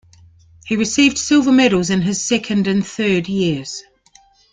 He received silver medals in his second and third years.